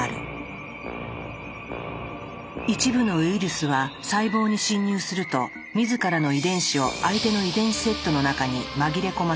一部のウイルスは細胞に侵入すると自らの遺伝子を相手の遺伝子セットの中に紛れ込ませる。